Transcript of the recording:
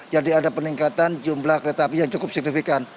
jadi ada peningkatan jumlah kereta api yang cukup signifikan